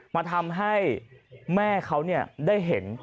มาทำให้แม่เขาได้เห็น